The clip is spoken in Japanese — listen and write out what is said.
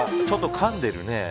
ちょっと、かんでるね。